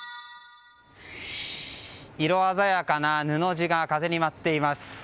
色鮮やかな布地が風に舞っています。